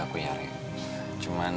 aku perlu berhenti melihat kamunya seperti ini